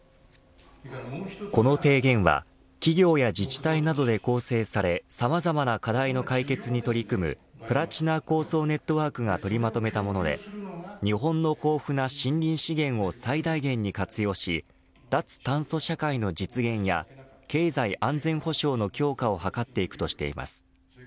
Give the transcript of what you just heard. この提言は企業や自治体などで構成されさまざまな課題の解決に取り組むプラチナ構想ネットワークが取りまとめたもので日本の豊富な森林資源を最大限に活用し脱炭素社会の実現や経済安全保障の強化を図っていくとしています。